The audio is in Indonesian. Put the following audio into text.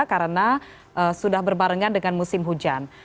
karena sudah berbarengan dengan musim hujan